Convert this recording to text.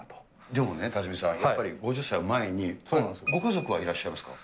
でもね、辰己さん、やっぱり５０歳を前に、ご家族はいらっしゃいますか。